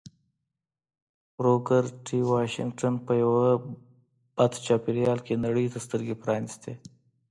بروکر ټي واشنګټن په یوه بد چاپېريال کې نړۍ ته سترګې پرانيستې